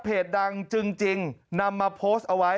เพจดังจึงนำมาโพสต์เอาไว้